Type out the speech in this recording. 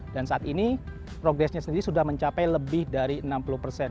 dan saat ini progresnya sendiri sudah mencapai lebih dari enam puluh persen